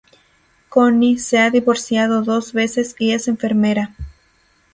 Connie se ha divorciado dos veces y es enfermera.